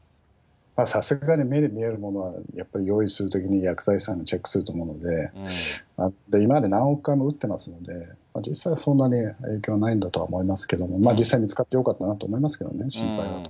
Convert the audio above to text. さすがに目に見えるものは、やっぱり用意するときに薬剤師さんがチェックすると思うので、今まで何億回も打っていますので、実際はそんなに影響はないんだと思いますけど、実際、見つかってよかったなと思いますけどね、心配なことが。